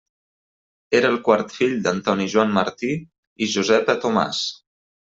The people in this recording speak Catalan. Era el quart fill d'Antoni Joan Martí i Josepa Tomàs.